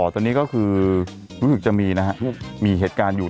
ตอนนี้ก็คือรู้สึกจะมีนะครับมีเหตุการณ์อยู่